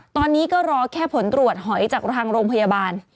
ตอนนี้ก็รอแค่ผลตรวจหอยจากทางโรงพยาบาล